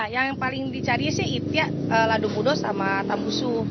iya yang paling dicari sih ipti alado mudo sama tambusu